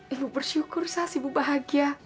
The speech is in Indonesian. ibu bersyukur sas ibu bahagia